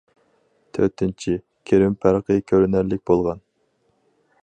تۆتىنچى، كىرىم پەرقى كۆرۈنەرلىك بولغان.